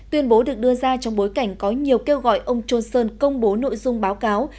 tuyên bố được đưa ra trong bối cảnh có nhiều kêu gọi ông johnson công bố nội dung báo cáo